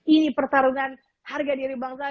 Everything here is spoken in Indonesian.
ini pertarungan harga diri bangsa